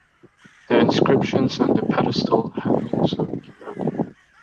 The inscriptions on the pedestal had also eroded.